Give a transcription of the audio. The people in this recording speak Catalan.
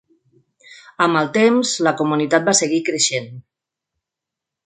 Amb el temps, la comunitat va seguir creixent.